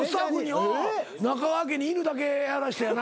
中川家に犬だけやらしてやな。